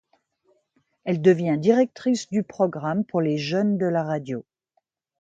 Elle devient directrice du programme pour les jeunes de la radio.